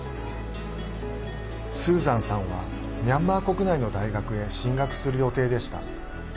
スーザンさんはミャンマー国内の大学へ進学する予定でした。